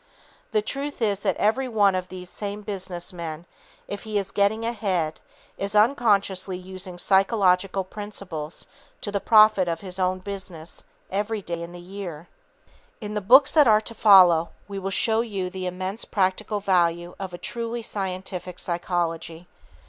The truth is that every one of these same business men, if he is getting ahead, is unconsciously using psychological principles to the profit of his own business every day in the year. [Sidenote: Devices for Commercial Efficiency] In the books that are to follow we shall show you the immense practical value of a truly scientific psychology.